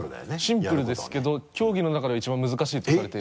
シンプルですけど競技の中では一番難しいとされている。